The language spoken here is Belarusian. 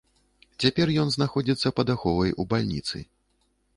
Цяпер ён знаходзіцца пад аховай у бальніцы.